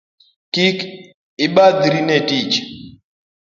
Kik ibadhri ne tich